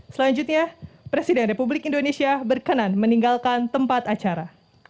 selanjutnya presiden republik indonesia berkenan meninggalkan tempat acara